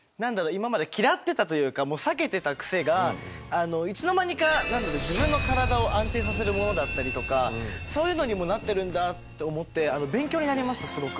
今まで嫌ってたというか避けてたクセがいつの間にか何だろう自分の体を安定させるものだったりとかそういうのにもなってるんだと思って勉強になりましたすごく。